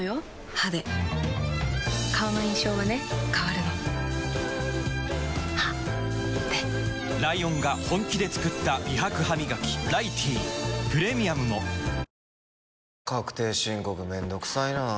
歯で顔の印象はね変わるの歯でライオンが本気で作った美白ハミガキ「ライティー」プレミアムも確定申告めんどくさいな。